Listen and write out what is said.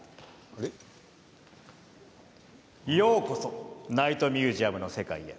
ようこそナイトミュージアムの世界へ。